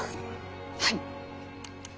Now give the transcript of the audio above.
はい。